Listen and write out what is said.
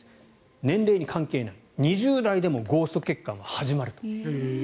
年齢は関係ない、２０代でもゴースト血管は始まると。